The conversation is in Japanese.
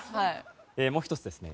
もう１つですね